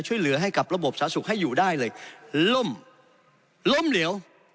ช่วยเหลือให้กับระบบสาธารณสุขให้อยู่ได้เลยล่มล้มเหลว